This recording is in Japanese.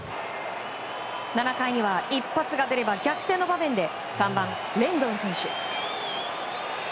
７回には一発が出れば逆転の場面で３番レンドン選手。